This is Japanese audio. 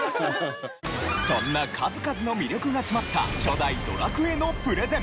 そんな数々の魅力が詰まった初代『ドラクエ』のプレゼン。